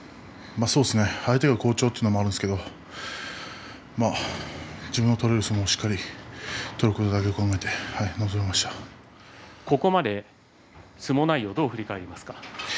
相手は好調ということもありますけど自分が取れる相撲をしっかりと取ることだけを考えてここまで相撲内容はどうですか？